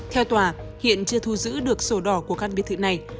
theo tòa hiện chưa thu giữ được sổ đỏ của căn biệt thự này